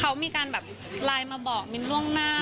เขามีการแบบไลน์มาบอกมิ้นล่วงหน้า